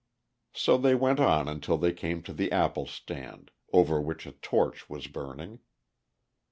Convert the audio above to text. So they went on until they came to the apple stand, over which a torch was burning.